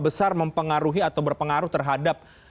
besar mempengaruhi atau berpengaruh terhadap